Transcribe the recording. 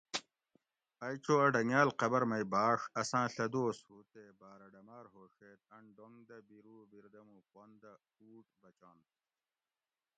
ائ چو اۤ ڈنگاۤل قبر مئ بھۤاڛ اساۤں ڷہ دوس ھو تے باۤرہ ڈماۤر ھوڛیت ان ڈونگ دہ بیرو بردمو پن دہ اوُٹ بچنت